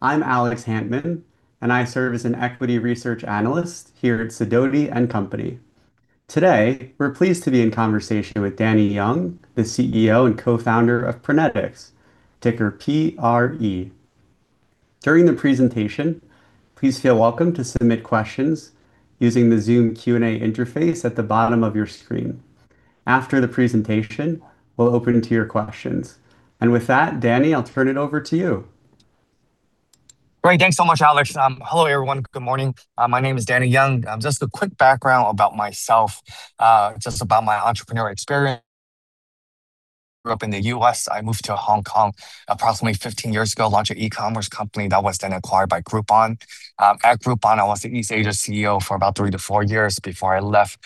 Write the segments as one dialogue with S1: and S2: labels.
S1: I'm Alex Hantman, and I serve as an equity research analyst here at Sidoti & Company. Today, we're pleased to be in conversation with Danny Yeung, the CEO and co-founder of Prenetics, ticker PRE. During the presentation, please feel welcome to submit questions using the Zoom Q&A interface at the bottom of your screen. After the presentation, we'll open to your questions. And with that, Danny, I'll turn it over to you.
S2: Great. Thanks so much, Alex. Hello, everyone. Good morning. My name is Danny Yeung. Just a quick background about myself, just about my entrepreneurial experience. I grew up in the U.S. I moved to Hong Kong approximately 15 years ago, launched an e-commerce company that was then acquired by Groupon. At Groupon, I was the East Asia CEO for about three to four years before I left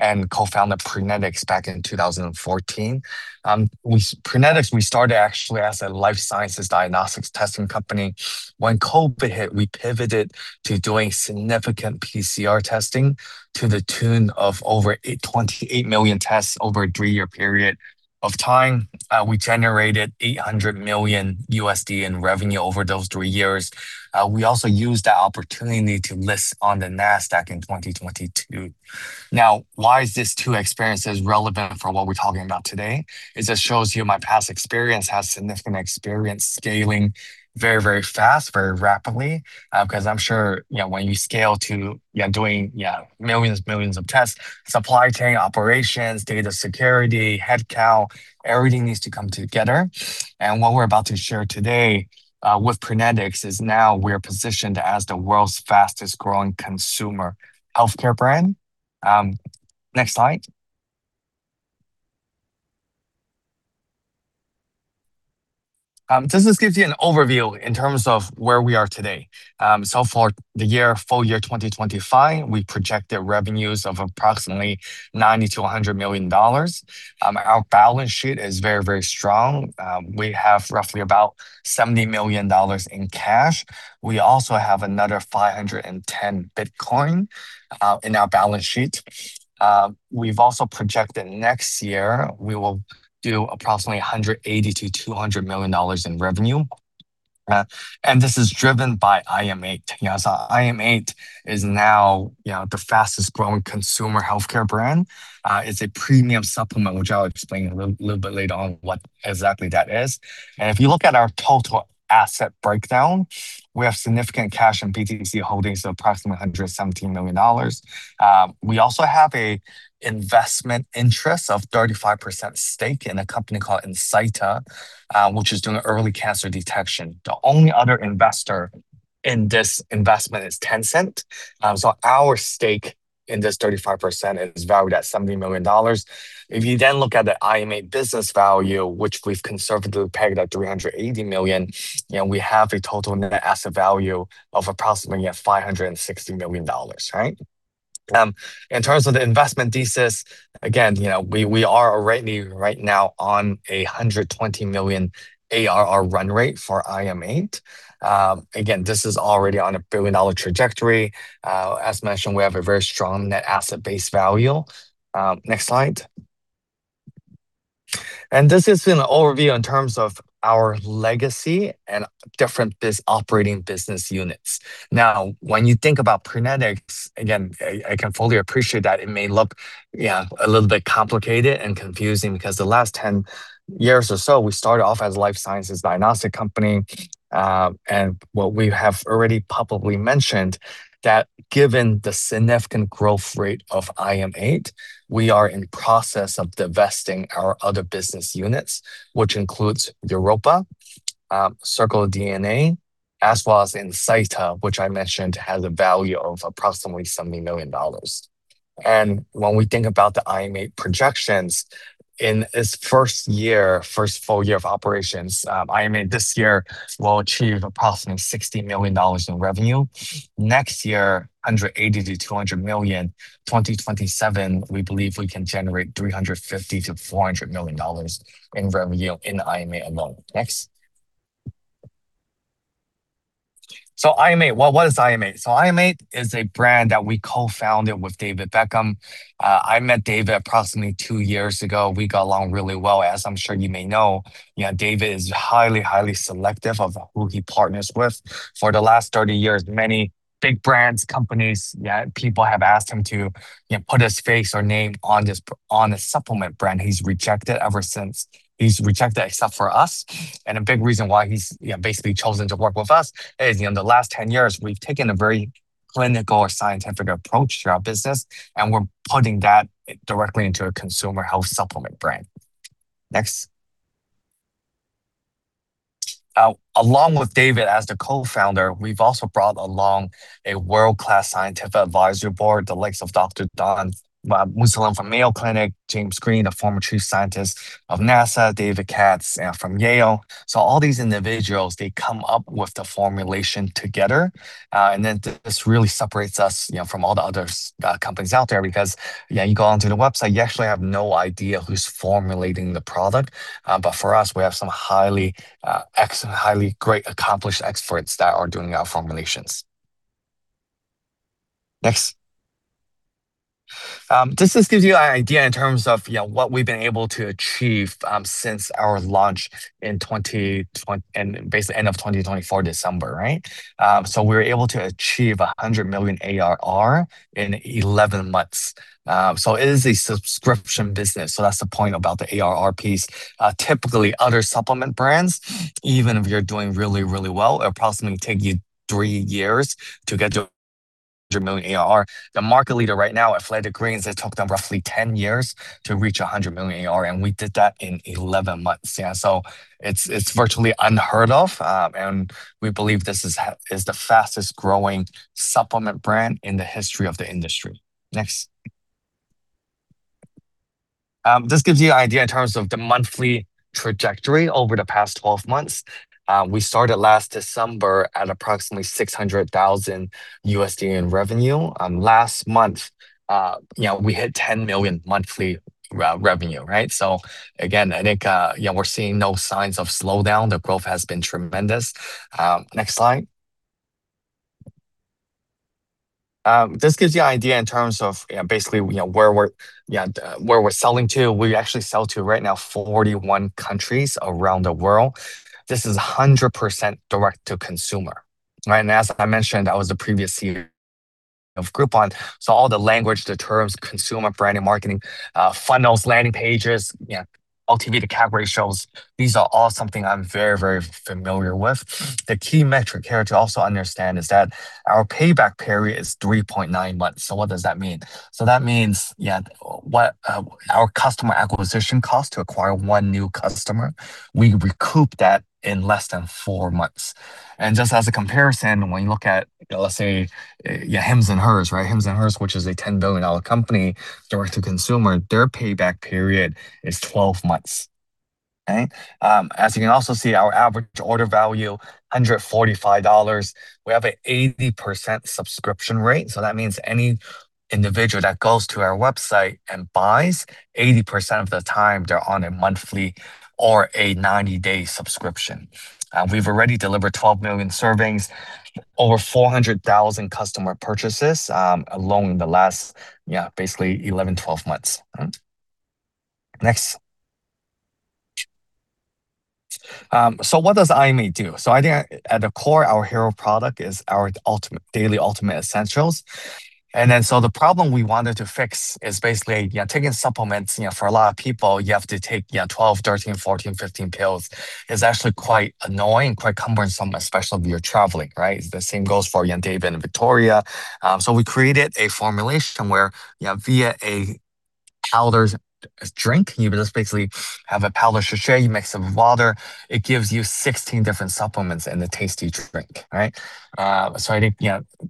S2: and co-founded Prenetics back in 2014. Prenetics, we started actually as a life sciences diagnostics testing company. When COVID hit, we pivoted to doing significant PCR testing to the tune of over 28 million tests over a three-year period of time. We generated $800 million in revenue over those three years. We also used that opportunity to list on the NASDAQ in 2022. Now, why is this two experiences relevant for what we're talking about today? It just shows you my past experience has significant experience scaling very, very fast, very rapidly, because I'm sure when you scale to doing millions, millions of tests, supply chain operations, data security, headcount, everything needs to come together. And what we're about to share today with Prenetics is now we're positioned as the world's fastest growing consumer healthcare brand. Next slide. Just this gives you an overview in terms of where we are today. So far, the full year 2025, we projected revenues of approximately $90-$100 million. Our balance sheet is very, very strong. We have roughly about $70 million in cash. We also have another 510 BTC in our balance sheet. We've also projected next year we will do approximately $180-$200 million in revenue. And this is driven by IM8. IM8 is now the fastest growing consumer healthcare brand. It's a premium supplement, which I'll explain a little bit later on what exactly that is, and if you look at our total asset breakdown, we have significant cash and BTC holdings of approximately $117 million. We also have an investment interest of 35% stake in a company called Insighta, which is doing early cancer detection. The only other investor in this investment is Tencent. So our stake in this 35% is valued at $70 million. If you then look at the IM8 business value, which we've conservatively pegged at $380 million, we have a total net asset value of approximately $560 million. In terms of the investment thesis, again, we are already right now on a $120 million ARR run rate for IM8. Again, this is already on a billion-dollar trajectory. As mentioned, we have a very strong net asset base value. Next slide. This is an overview in terms of our legacy and different operating business units. Now, when you think about Prenetics, again, I can fully appreciate that it may look a little bit complicated and confusing because the last 10 years or so, we started off as a life sciences diagnostic company. What we have already publicly mentioned is that given the significant growth rate of IM8, we are in the process of divesting our other business units, which includes Europe, CircleDNA, as well as Insighta, which I mentioned has a value of approximately $70 million. When we think about the IM8 projections in its first year, first full year of operations, IM8 this year will achieve approximately $60 million in revenue. Next year, $180-$200 million. 2027, we believe we can generate $350-$400 million in revenue in IM8 alone. Next. IM8, what is IM8? IM8 is a brand that we co-founded with David Beckham. I met David approximately two years ago. We got along really well. As I'm sure you may know, David is highly, highly selective of who he partners with. For the last 30 years, many big brands, companies, people have asked him to put his face or name on the supplement brand. He's rejected ever since he's rejected, except for us. A big reason why he's basically chosen to work with us is in the last 10 years, we've taken a very clinical or scientific approach to our business, and we're putting that directly into a consumer health supplement brand. Next. Along with David as the co-founder, we've also brought along a world-class scientific advisory board, the likes of Dr. Dawn Mussallem from Mayo Clinic, James Green, a former chief scientist of NASA, Dr. David Katz from Yale. So all these individuals, they come up with the formulation together. And then this really separates us from all the other companies out there because you go onto the website, you actually have no idea who's formulating the product. But for us, we have some highly great accomplished experts that are doing our formulations. Next. Just this gives you an idea in terms of what we've been able to achieve since our launch in basically end of 2024, December. So we were able to achieve 100 million ARR in 11 months. So it is a subscription business. So that's the point about the ARR piece. Typically, other supplement brands, even if you're doing really, really well, it will approximately take you three years to get to 100 million ARR. The market leader right now, Athletic Greens, they took them roughly 10 years to reach 100 million ARR, and we did that in 11 months, so it's virtually unheard of, and we believe this is the fastest growing supplement brand in the history of the industry. Next. This gives you an idea in terms of the monthly trajectory over the past 12 months. We started last December at approximately $600,000 in revenue. Last month, we hit $10 million monthly revenue, so again, I think we're seeing no signs of slowdown. The growth has been tremendous. Next slide. This gives you an idea in terms of basically where we're selling to. We actually sell to right now 41 countries around the world. This is 100% direct to consumer, and as I mentioned, that was the previous CEO of Groupon. So all the language, the terms, consumer branding marketing, funnels, landing pages, LTV, the CAC ratios, these are all something I'm very, very familiar with. The key metric here to also understand is that our payback period is 3.9 months. So what does that mean? So that means our customer acquisition cost to acquire one new customer, we recoup that in less than four months. And just as a comparison, when you look at, let's say, Hims & Hers, Hims & Hers, which is a $10 billion company direct to consumer, their payback period is 12 months. As you can also see, our average order value, $145. We have an 80% subscription rate. So that means any individual that goes to our website and buys, 80% of the time they're on a monthly or a 90-day subscription. We've already delivered 12 million servings, over 400,000 customer purchases alone in the last basically 11-12 months. Next. So what does IM8 do? So I think at the core, our hero product is our Daily Ultimate Essentials. And then so the problem we wanted to fix is basically taking supplements. For a lot of people, you have to take 12-15 pills. It's actually quite annoying, quite cumbersome, especially if you're traveling. The same goes for David and Victoria. So we created a formulation where via a powdered drink, you just basically have a powdered shaker, you mix it with water, it gives you 16 different supplements and a tasty drink. So I think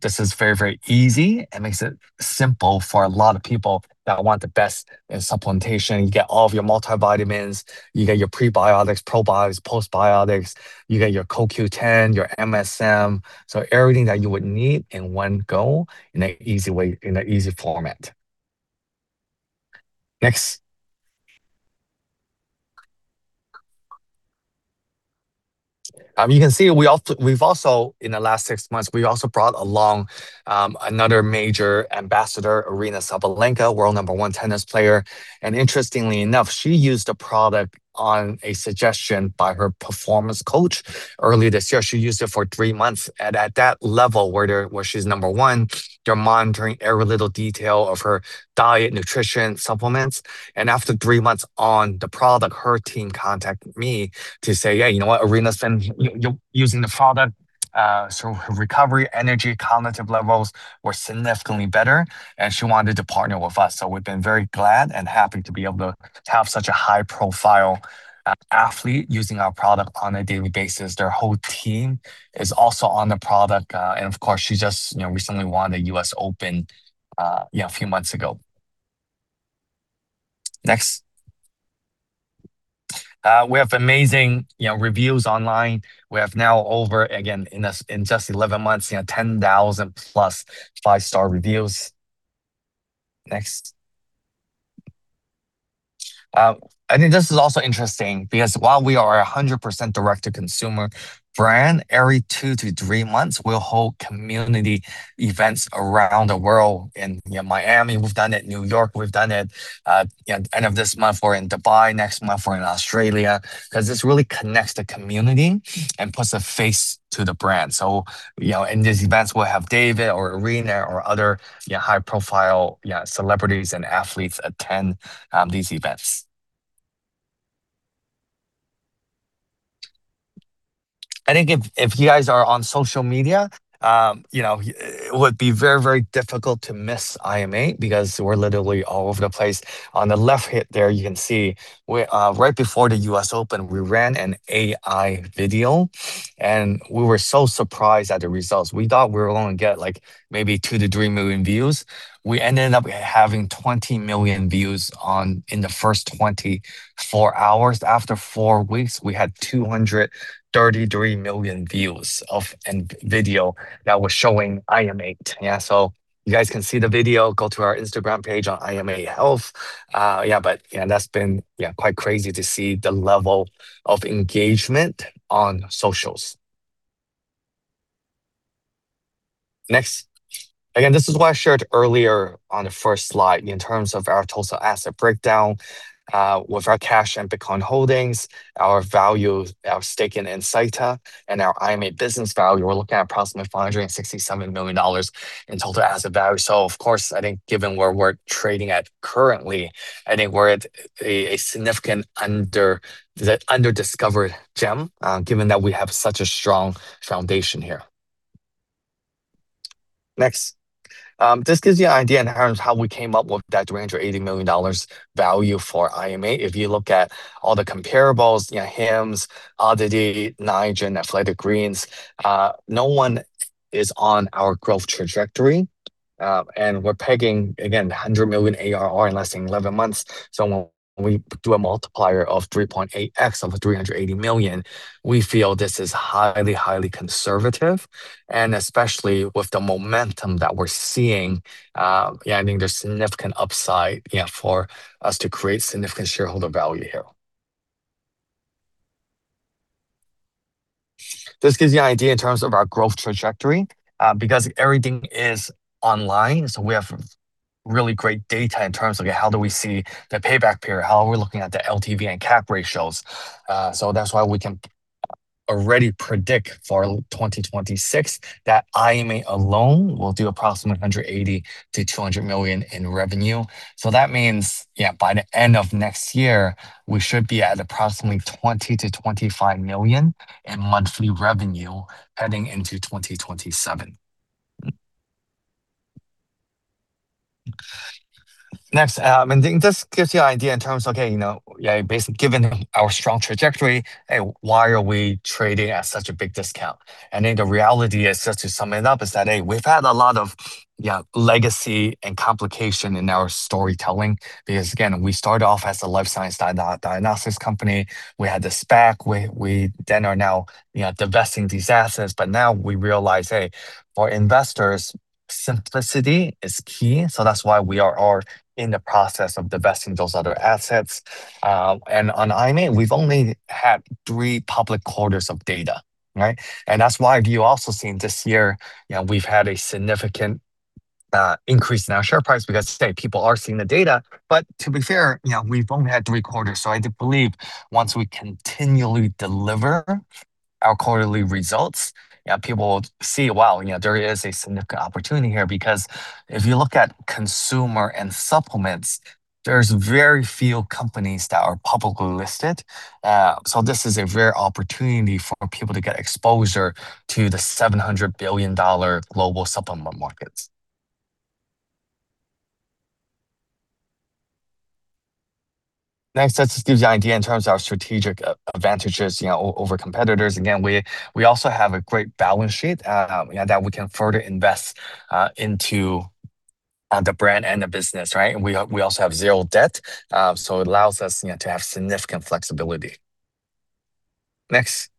S2: this is very, very easy. It makes it simple for a lot of people that want the best supplementation. You get all of your multivitamins, you get your prebiotics, probiotics, postbiotics, you get your CoQ10, your MSM, so everything that you would need in one go in an easy way, in an easy format. Next, you can see we've also, in the last six months, brought along another major ambassador, Aryna Sabalenka, world number one tennis player, and interestingly enough, she used the product on a suggestion by her performance coach earlier this year. She used it for three months, and at that level where she's number one, they're monitoring every little detail of her diet, nutrition, supplements, and after three months on the product, her team contacted me to say, "Yeah, you know what, Aryna's been using the product. Her recovery, energy, cognitive levels were significantly better," and she wanted to partner with us. So we've been very glad and happy to be able to have such a high-profile athlete using our product on a daily basis. Their whole team is also on the product. And of course, she just recently won the U.S. Open a few months ago. Next. We have amazing reviews online. We have now over, again, in just 11 months, 10,000 plus five-star reviews. Next. I think this is also interesting because while we are a 100% direct-to-consumer brand, every two to three months, we'll hold community events around the world in Miami. We've done it in New York. We've done it at the end of this month. We're in Dubai next month. We're in Australia because this really connects the community and puts a face to the brand. So in these events, we'll have David or Aryna or other high-profile celebrities and athletes attend these events. I think if you guys are on social media, it would be very, very difficult to miss IM8 because we're literally all over the place. On the left here, there you can see right before the U.S. Open, we ran an AI video, and we were so surprised at the results. We thought we were going to get maybe 2-3 million views. We ended up having 20 million views in the first 24 hours. After four weeks, we had 233 million views of a video that was showing IM8, so you guys can see the video. Go to our Instagram page on IM8 Health. Yeah, but that's been quite crazy to see the level of engagement on socials. Next. Again, this is what I shared earlier on the first slide in terms of our total asset breakdown with our cash and Bitcoin holdings, our value, our stake in Insighta, and our IM8 business value. We're looking at approximately $567 million in total asset value. So of course, I think given where we're trading at currently, I think we're at a significant under discovered gem, given that we have such a strong foundation here. Next. This gives you an idea in terms of how we came up with that $380 million value for IM8. If you look at all the comparables, Hims, Oddity, Nike, Athletic Greens, no one is on our growth trajectory. And we're pegging, again, 100 million ARR in less than 11 months. So when we do a multiplier of 3.8x of 380 million, we feel this is highly, highly conservative. And especially with the momentum that we're seeing, I think there's significant upside for us to create significant shareholder value here. This gives you an idea in terms of our growth trajectory because everything is online. So we have really great data in terms of how do we see the payback period, how are we looking at the LTV and CAC ratios. So that's why we can already predict for 2026 that IM8 alone will do approximately $180-$200 million in revenue. So that means by the end of next year, we should be at approximately $20-$25 million in monthly revenue heading into 2027. Next. And I think this gives you an idea in terms of, okay, given our strong trajectory, why are we trading at such a big discount? I think the reality is just to sum it up is that, hey, we've had a lot of legacy and complication in our storytelling because, again, we started off as a life science diagnostics company. We had the SPAC. We then are now divesting these assets. But now we realize, hey, for investors, simplicity is key. So that's why we are in the process of divesting those other assets. And on IM8, we've only had three public quarters of data. And that's why you also see this year we've had a significant increase in our share price because, say, people are seeing the data. But to be fair, we've only had three quarters. So I believe once we continually deliver our quarterly results, people will see, wow, there is a significant opportunity here because if you look at consumer and supplements, there's very few companies that are publicly listed. So this is a rare opportunity for people to get exposure to the $700 billion global supplement markets. Next, that just gives you an idea in terms of our strategic advantages over competitors. Again, we also have a great balance sheet that we can further invest into the brand and the business. We also have zero debt. So it allows us to have significant flexibility. Next.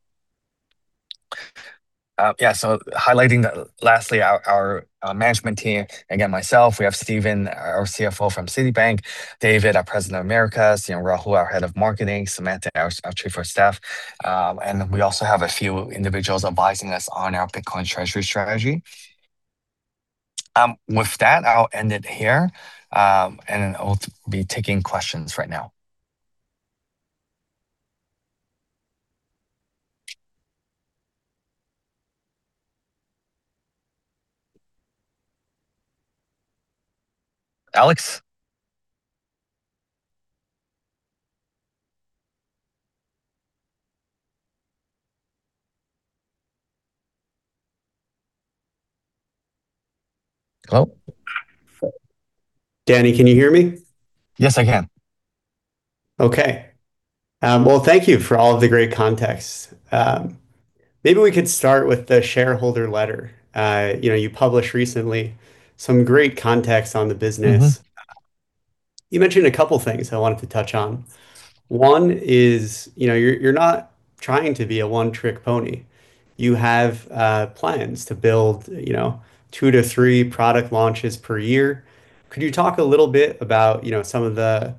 S2: Yeah. So highlighting lastly, our management team, again, myself, we have Stephen, our CFO from Citibank, David, our President of Americas, Rahul, our Head of Marketing, Samantha, our Chief of Staff. And we also have a few individuals advising us on our Bitcoin treasury strategy. With that, I'll end it here. And I'll be taking questions right now. Alex. Hello? Danny, can you hear me? Yes, I can. Okay. Well, thank you for all of the great context. Maybe we could start with the shareholder letter. You published recently some great context on the business. You mentioned a couple of things I wanted to touch on. One is you're not trying to be a one-trick pony. You have plans to build two to three product launches per year. Could you talk a little bit about some of the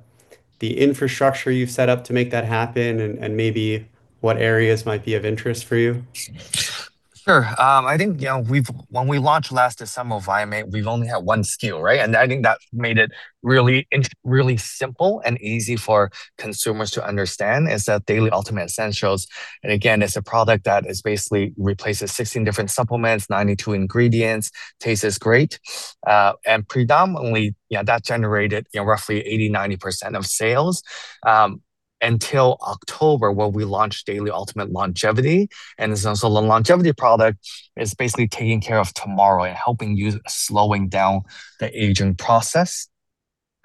S2: infrastructure you've set up to make that happen and maybe what areas might be of interest for you? Sure. I think when we launched last December with IM8, we've only had one SKU. And I think that made it really simple and easy for consumers to understand is that Daily Ultimate Essentials. And again, it's a product that basically replaces 16 different supplements, 92 ingredients, tastes great. And predominantly, that generated roughly 80%-90% of sales until October when we launched Daily Ultimate Longevity. And so the longevity product is basically taking care of tomorrow and helping you slowing down the aging process.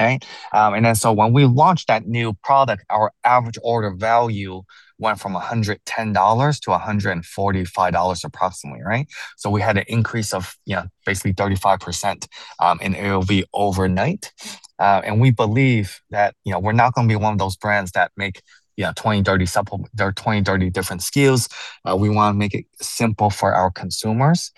S2: And then so when we launched that new product, our average order value went from $110-$145 approximately. So we had an increase of basically 35% in AOV overnight. And we believe that we're not going to be one of those brands that make 20, 30 different SKUs. We want to make it simple for our consumers.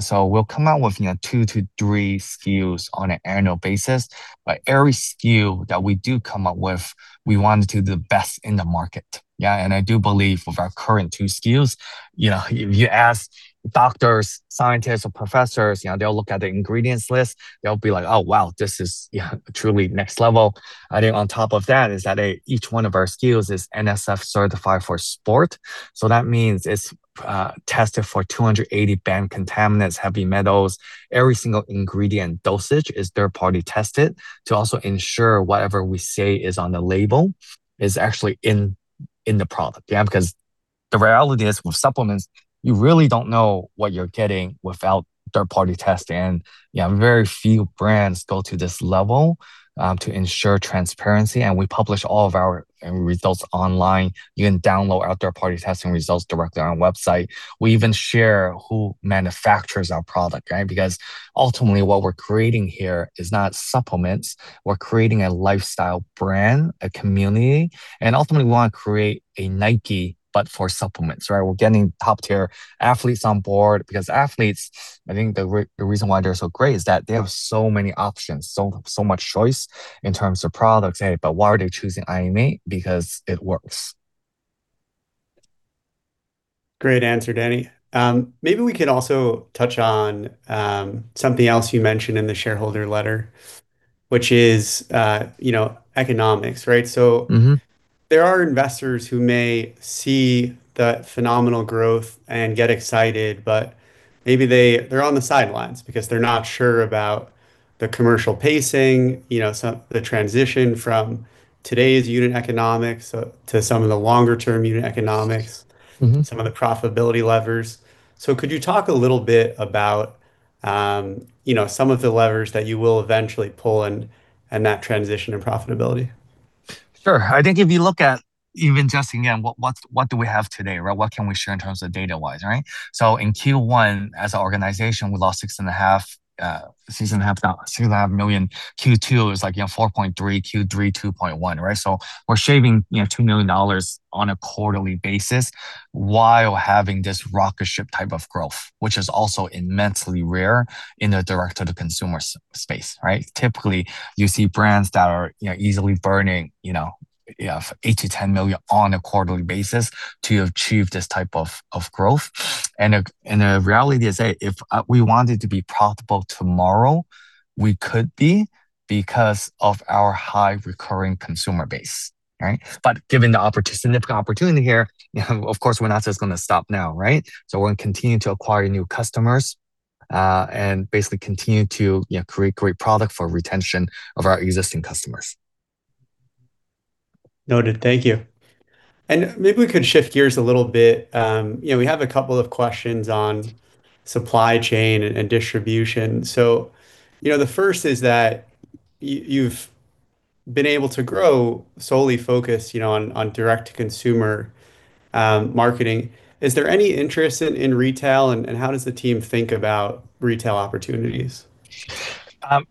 S2: So we'll come out with two to three SKUs on an annual basis. But every SKU that we do come up with, we want to do the best in the market. And I do believe with our current two SKUs, if you ask doctors, scientists, or professors, they'll look at the ingredients list. They'll be like, "Oh, wow, this is truly next level." I think on top of that is that each one of our SKUs is NSF Certified for Sport. So that means it's tested for 280 banned contaminants, heavy metals. Every single ingredient dosage is third-party tested to also ensure whatever we say is on the label is actually in the product. Because the reality is with supplements, you really don't know what you're getting without third-party testing. And very few brands go to this level to ensure transparency. And we publish all of our results online. You can download our third-party testing results directly on our website. We even share who manufactures our product because ultimately what we're creating here is not supplements. We're creating a lifestyle brand, a community. And ultimately, we want to create a Nike but for supplements. We're getting top-tier athletes on board because athletes, I think the reason why they're so great is that they have so many options, so much choice in terms of products. But why are they choosing IM8? Because it works. Great answer, Danny. Maybe we can also touch on something else you mentioned in the shareholder letter, which is economics. So there are investors who may see the phenomenal growth and get excited, but maybe they're on the sidelines because they're not sure about the commercial pacing, the transition from today's unit economics to some of the longer-term unit economics, some of the profitability levers. So could you talk a little bit about some of the levers that you will eventually pull in that transition in profitability? Sure. I think if you look at even just, again, what do we have today? What can we share in terms of data-wise? So in Q1, as an organization, we lost $6.5 million. Q2 was like $4.3, Q3, $2.1. So we're shaving $2 million on a quarterly basis while having this rocket ship type of growth, which is also immensely rare in the direct-to-consumer space. Typically, you see brands that are easily burning $8-$10 million on a quarterly basis to achieve this type of growth. And the reality is, if we wanted to be profitable tomorrow, we could be because of our high recurring consumer base. But given the significant opportunity here, of course, we're not just going to stop now. So we're going to continue to acquire new customers and basically continue to create great product for retention of our existing customers. Noted. Thank you. And maybe we could shift gears a little bit. We have a couple of questions on supply chain and distribution, so the first is that you've been able to grow solely focused on direct-to-consumer marketing. Is there any interest in retail? And how does the team think about retail opportunities?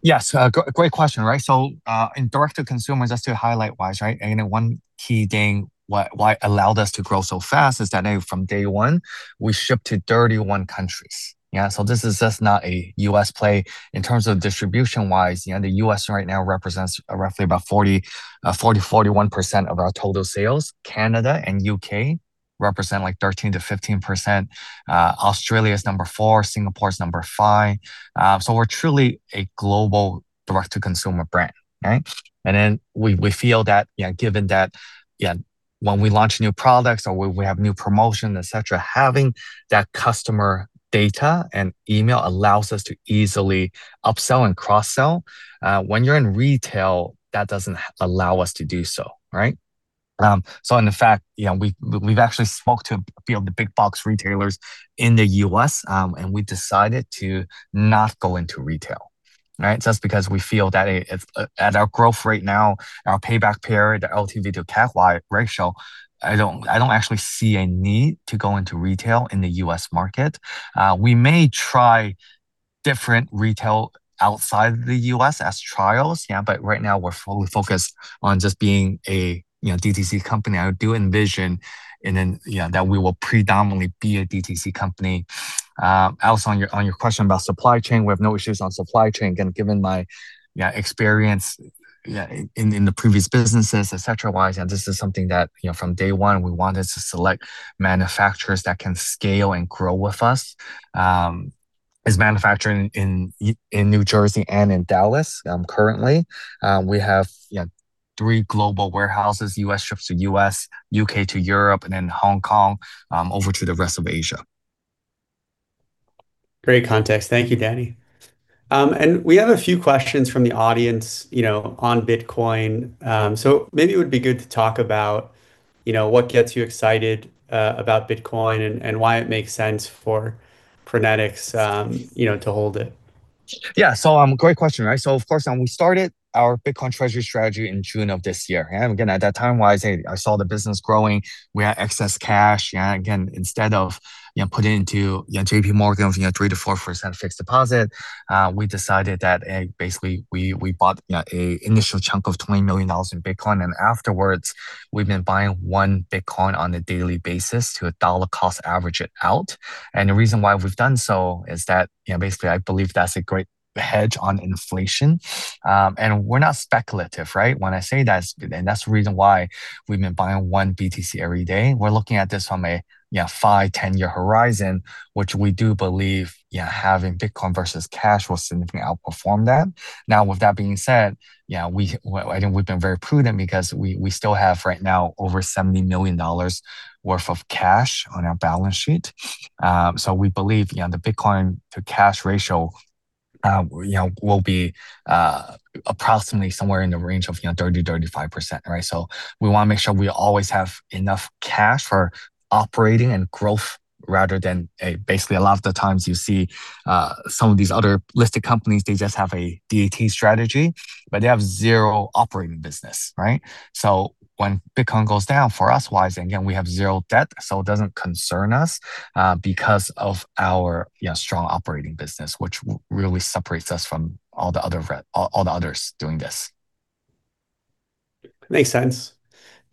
S2: Yes. Great question, so in direct-to-consumers, just to highlight-wise, one key thing why it allowed us to grow so fast is that from day one, we shipped to 31 countries, so this is just not a U.S. play in terms of distribution-wise. The U.S. right now represents roughly about 40-41% of our total sales. Canada and U.K. represent like 13-15%. Australia is number four. Singapore is number five, so we're truly a global direct-to-consumer brand, and then we feel that given that when we launch new products or we have new promotions, etc., having that customer data and email allows us to easily upsell and cross-sell. When you're in retail, that doesn't allow us to do so, so in fact, we've actually spoke to a few of the big box retailers in the U.S., and we decided to not go into retail. Just because we feel that at our growth rate now, our payback period, the LTV to CAC ratio, I don't actually see a need to go into retail in the U.S. market. We may try different retail outside of the U.S. as trials, but right now, we're fully focused on just being a DTC company. I do envision that we will predominantly be a DTC company. Also, on your question about supply chain, we have no issues on supply chain. Again, given my experience in the previous businesses, etc., wise, this is something that from day one, we wanted to select manufacturers that can scale and grow with us. It's manufacturing in New Jersey and in Dallas currently. We have three global warehouses, U.S. ships to U.S., U.K. to Europe, and then Hong Kong over to the rest of Asia. Great context. Thank you, Danny. And we have a few questions from the audience on Bitcoin. So maybe it would be good to talk about what gets you excited about Bitcoin and why it makes sense for Prenetics to hold it. Yeah. So great question. So of course, we started our Bitcoin treasury strategy in June of this year. And again, at that time, I saw the business growing. We had excess cash. Again, instead of putting into J.P. Morgan's 3%-4% fixed deposit, we decided that basically we bought an initial chunk of $20 million in Bitcoin. And afterwards, we've been buying one Bitcoin on a daily basis to a dollar cost average it out. And the reason why we've done so is that basically, I believe that's a great hedge on inflation. And we're not speculative, right? When I say that, and that's the reason why we've been buying one BTC every day. We're looking at this from a 5-10-year horizon, which we do believe having Bitcoin versus cash will significantly outperform that. Now, with that being said, I think we've been very prudent because we still have right now over $70 million worth of cash on our balance sheet. So we believe the Bitcoin to cash ratio will be approximately somewhere in the range of 30%-35%. So we want to make sure we always have enough cash for operating and growth rather than basically a lot of the times you see some of these other listed companies. They just have a BTC strategy, but they have zero operating business. So when Bitcoin goes down for us, yes, again, we have zero debt. So it doesn't concern us because of our strong operating business, which really separates us from all the others doing this. Makes sense.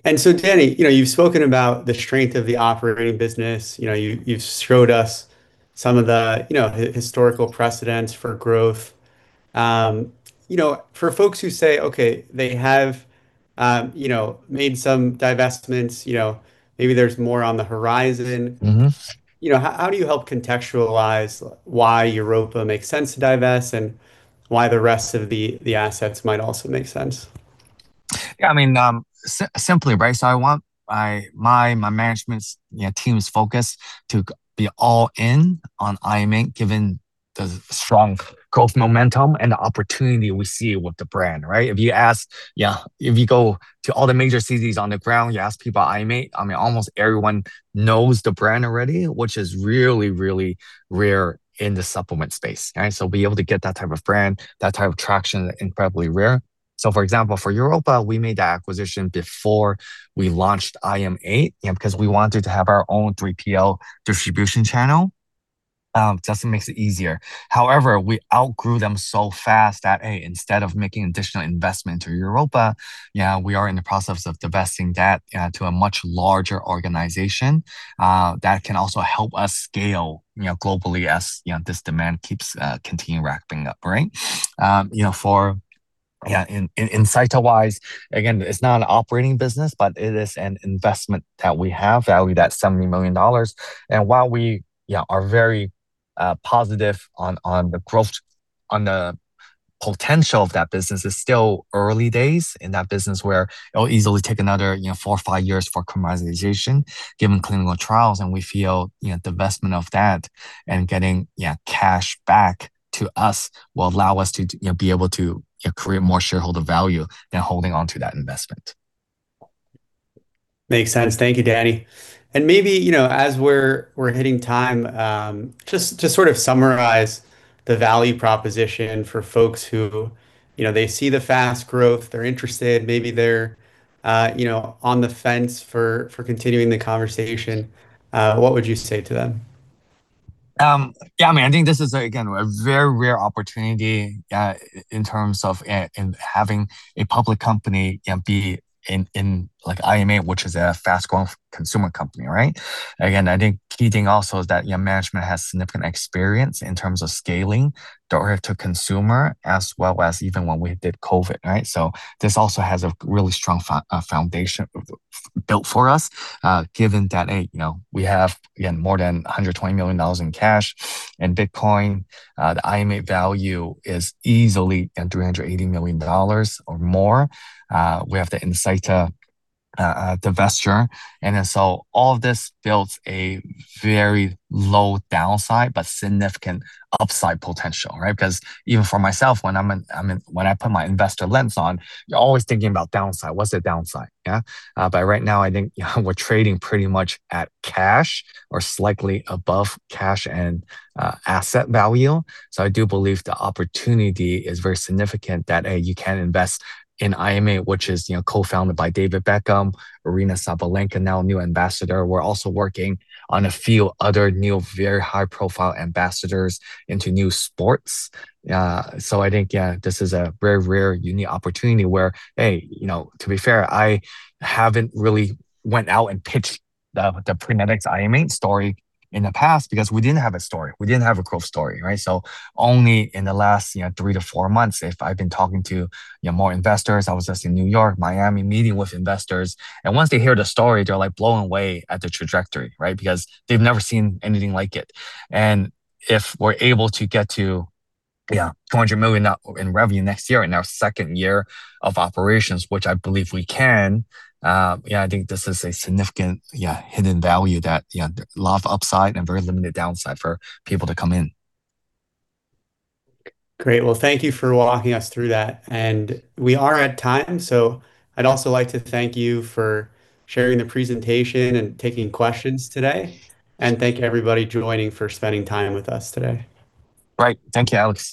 S2: And so, Danny, you've spoken about the strength of the operating business. You've showed us some of the historical precedents for growth. For folks who say, "Okay, they have made some divestments, maybe there's more on the horizon." How do you help contextualize why Europe makes sense to divest and why the rest of the assets might also make sense? Yeah. I mean, simply, right? So I want my management team's focus to be all in on IM8 given the strong growth momentum and the opportunity we see with the brand. If you ask, if you go to all the major GNCs on the ground, you ask people IM8, I mean, almost everyone knows the brand already, which is really, really rare in the supplement space. So be able to get that type of brand, that type of traction is incredibly rare. So for example, for Europe, we made the acquisition before we launched IM8 because we wanted to have our own 3PL distribution channel. It just makes it easier. However, we outgrew them so fast that instead of making additional investment to Europe, we are in the process of divesting that to a much larger organization that can also help us scale globally as this demand keeps continuing racking up. For Insighta-wise, again, it's not an operating business, but it is an investment that we have valued at $70 million. And while we are very positive on the growth, on the potential of that business, it's still early days in that business where it'll easily take another four or five years for commercialization given clinical trials. And we feel divestment of that and getting cash back to us will allow us to be able to create more shareholder value than holding on to that investment. Makes sense. Thank you, Danny. And maybe as we're hitting time, just to sort of summarize the value proposition for folks who they see the fast growth, they're interested, maybe they're on the fence for continuing the conversation, what would you say to them? Yeah. I mean, I think this is, again, a very rare opportunity in terms of having a public company be in IM8, which is a fast-growing consumer company. Again, I think key thing also is that management has significant experience in terms of scaling direct-to-consumer as well as even when we did COVID. So this also has a really strong foundation built for us given that we have, again, more than $120 million in cash in Bitcoin. The IM8 value is easily $380 million or more. We have the Insighta divestiture. And so all of this builds a very low downside, but significant upside potential. Because even for myself, when I put my investor lens on, you're always thinking about downside. What's the downside? But right now, I think we're trading pretty much at cash or slightly above cash and asset value. So I do believe the opportunity is very significant that you can invest in IM8, which is co-founded by David Beckham, Aryna Sabalenka, now new ambassador. We're also working on a few other new, very high-profile ambassadors into new sports. So I think, yeah, this is a very rare, unique opportunity where, to be fair, I haven't really went out and pitched the Prenetics IM8 story in the past because we didn't have a story. We didn't have a growth story. So only in the last three to four months, I've been talking to more investors. I was just in New York, Miami meeting with investors. And once they hear the story, they're blown away at the trajectory because they've never seen anything like it. And if we're able to get to $200 million in revenue next year in our second year of operations, which I believe we can, I think this is a significant hidden value that a lot of upside and very limited downside for people to come in. Great. Thank you for walking us through that. We are at time. I'd also like to thank you for sharing the presentation and taking questions today. Thank you, everybody joining, for spending time with us today. Right. Thank you, Alex.